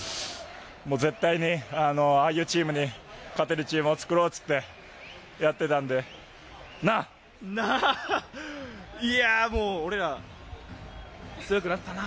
絶対にああいうチームに勝てるチームを作ろうって言ってやってたんでもう、俺ら強くなったな！